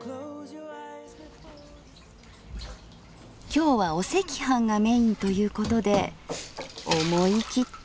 今日はお赤飯がメインということで思い切って作ります。